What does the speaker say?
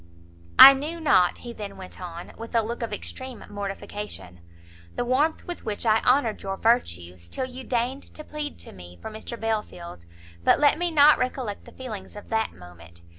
"I knew not," he then went on, with a look of extreme mortification, "the warmth with which I honoured your virtues, till you deigned to plead to me for Mr Belfield, but let me not recollect the feelings of that moment!